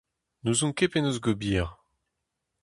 N'ouzon ket penaos ober.